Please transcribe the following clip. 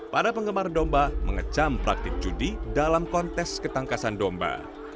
para penggemar domba mengecam praktik judi dalam kontes ketangkasan domba